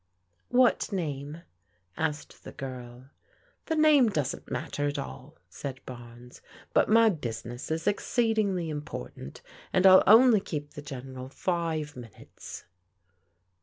What name ?" asked the girl. The name doesn't matter at all," said Barnes, *'but my business is exceedingly important, and I'll only keep the General five minutes."